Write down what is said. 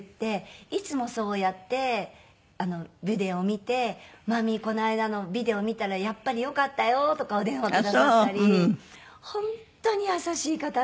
いつもそうやってビデオを見て「真実この間のビデオ見たらやっぱりよかったよ」とかお電話くださったり本当に優しい方で。